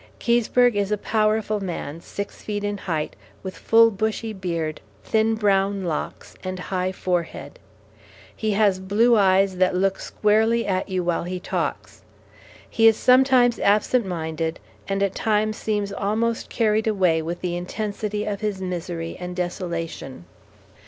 Keseberg is a powerful man, six feet in height, with full bushy beard, thin brown locks, and high forehead. He has blue eyes that look squarely at you while he talks. He is sometimes absent minded and at times seems almost carried away with the intensity of his misery and desolation.